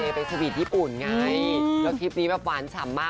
เฮ่ยตัดช่องทำหมาคิดเข้าไปเร่งมั้ย